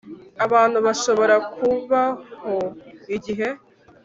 abantu bashobora kubaho igihe